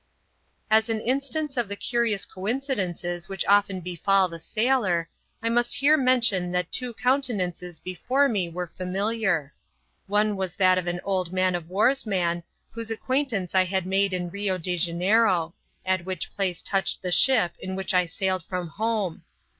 As an instance of the curious coincidences which often befall the sailor, I must here mention, that two countenances before me were familiar. One was that of an old maxv of wax's man, CHAP. I.] MY RECEPTION ABOARD. 8 whose acquaintance I had made in Rio de Janeiro, at which place touched the ship in which I sailed from home.